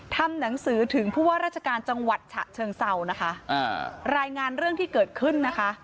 ทำหนังสือถึงผู้ว่าราชการจังหวัดฉะเชิงเศร้านะคะอ่ารายงานเรื่องที่เกิดขึ้นนะคะ